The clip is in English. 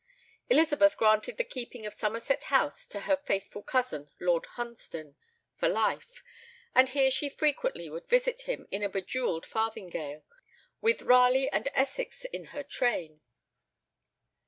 Elizabeth granted the keeping of Somerset House to her faithful cousin Lord Hunsdon, for life, and here she frequently would visit him, in a jewelled farthingale, with Raleigh and Essex in her train.